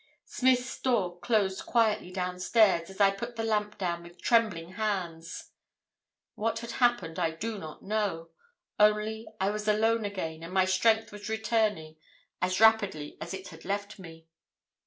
"Smith's door closed quietly downstairs, as I put the lamp down with trembling hands. What had happened I do not know; only, I was alone again and my strength was returning as rapidly as it had left me.